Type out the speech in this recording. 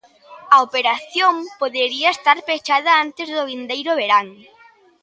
A operación podería estar pechada antes do vindeiro verán.